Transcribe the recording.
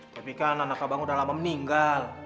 tapi kan anak abang udah lama meninggal